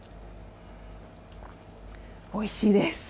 おいしいです！